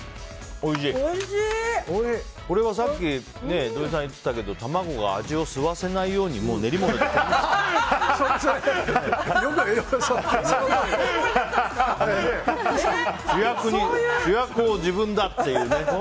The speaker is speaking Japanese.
これもさっき土井さん言ってたけど卵が味を吸わせないようにそのとおり！主役を自分だっていうね。